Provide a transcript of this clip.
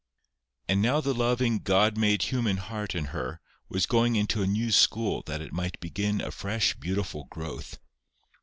And now the loving God made human heart in her was going into a new school that it might begin a fresh beautiful growth.